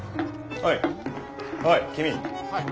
はい。